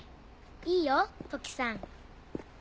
いいよトキさん。